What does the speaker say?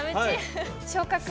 昇格。